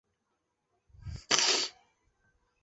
卢津定理是实分析的定理。